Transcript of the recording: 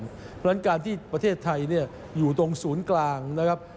เพราะฉะนั้นการที่ประเทศไทยอยู่ตรงศูนย์กลางนะครับ